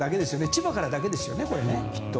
千葉からだけですよね、きっと。